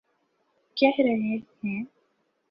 کہہ رہے ہیں۔